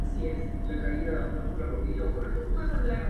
El pavimento es de baldosas.